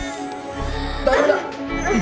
大丈夫だ。